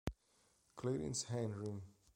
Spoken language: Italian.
Clarence Henry